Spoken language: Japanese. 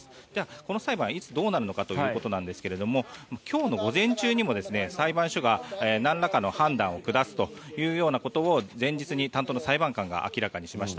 この裁判、いつ、どうなるかということなんですが今日の午前中にも裁判所がなんらかの判断を下すということを前日に担当の裁判官が明らかにしました。